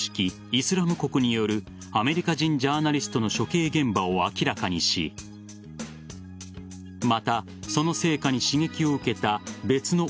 ・イスラム国によるアメリカ人ジャーナリストの処刑現場を明らかにしまた、その成果に刺激を受けた別のＯＳＩＮＴ